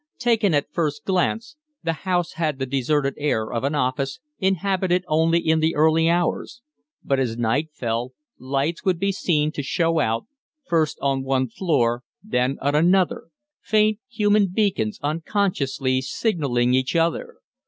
Taken at a first glance, the house had the deserted air of an office, inhabited only in the early hours; but, as night fell, lights would be seen to show out, first on one floor, then on another faint, human beacons unconsciously signalling each other.